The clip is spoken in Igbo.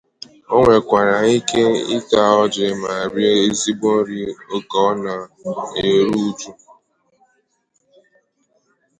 O nwèkwàrà ike ịta ọjị ma rie ezigbo nri oge ọ na-eru uju